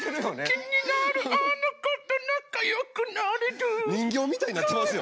気になるあの子と仲よくなれる人形みたいになってますよ。